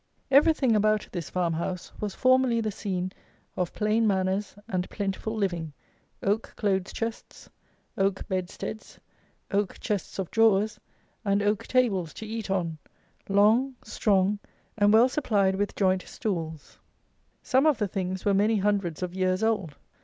Everything about this farmhouse was formerly the scene of plain manners and plentiful living. Oak clothes chests, oak bedsteads, oak chests of drawers, and oak tables to eat on, long, strong, and well supplied with joint stools. Some of the things were many hundreds of years old.